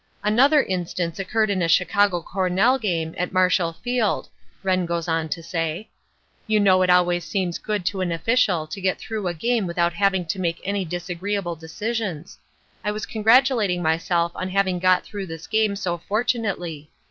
"Another instance occurred in a Chicago Cornell game at Marshall Field," Wrenn goes on to say. "You know it always seems good to an official to get through a game without having to make any disagreeable decisions. I was congratulating myself on having got through this game so fortunately.